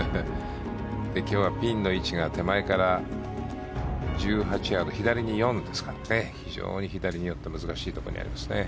今日はピンの位置が手前から１８ヤード左に４ですから非常に左に寄った難しいところにありますね。